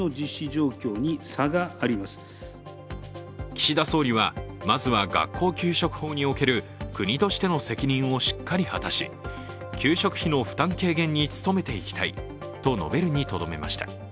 岸田総理は、まずは学校給食法における国としての責任をしっかり果たし、給食費の負担軽減に努めていきたいと述べるにとどめました。